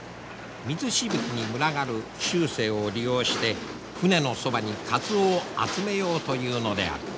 水しぶきに群がる習性を利用して船のそばにカツオを集めようというのである。